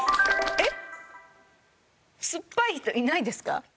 えっ？